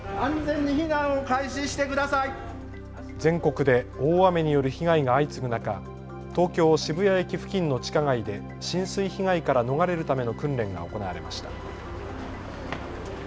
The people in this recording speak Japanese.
全国で大雨による被害が相次ぐ中、東京渋谷駅付近の地下街で浸水被害から逃れるための訓練が行われました。